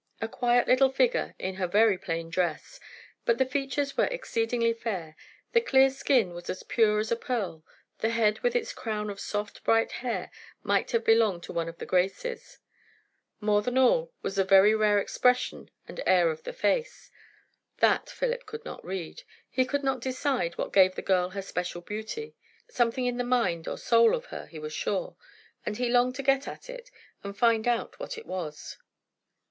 A quiet little figure, in her very plain dress; but the features were exceedingly fair, the clear skin was as pure as a pearl, the head with its crown of soft bright hair might have belonged to one of the Graces. More than all, was the very rare expression and air of the face. That Philip could not read; he could not decide what gave the girl her special beauty. Something in the mind or soul of her, he was sure; and he longed to get at it and find out what it was.